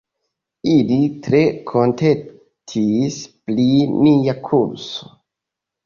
Ili tre kontentis pri nia kurso.